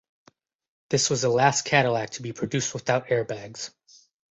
This was the last Cadillac to be produced without airbags.